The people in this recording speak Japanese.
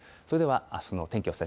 それではあすの天気